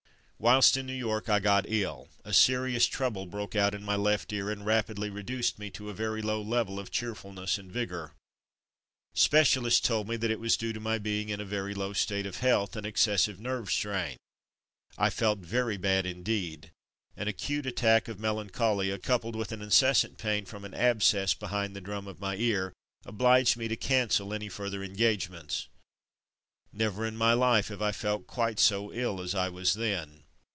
Whilst in New York I got ill. A serious trouble broke out in my left ear, and rapidly reduced me to a very low level of cheerful ness and vigour. Specialists told me that it was due to my being in a very low state of health, and excessive nerve strain. I felt very bad indeed. An acute attack of mel ancholia, coupled with an incessant pain from an abscess behind the drum of my ear, obliged me to cancel any further engage ments. Never in my life have I felt quite so ill as I was then.